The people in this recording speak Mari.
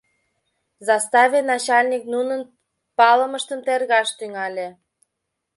Заставе начальник нунын палымыштым тергаш тӱҥале.